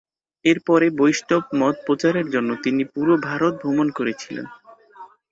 এর পরে বৈষ্ণব মত প্রচারের জন্য তিনি পুরো ভারত ভ্রমণ করেছিলেন।